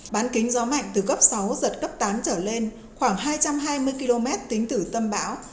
bán kính gió mạnh từ cấp sáu giật cấp tám trở lên khoảng hai trăm hai mươi km tính từ tâm bão